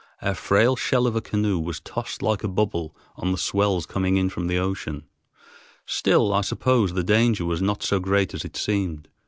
Our frail shell of a canoe was tossed like a bubble on the swells coming in from the ocean. Still, I suppose, the danger was not so great as it seemed.